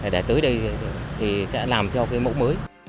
để tới đây thì sẽ làm theo mẫu mới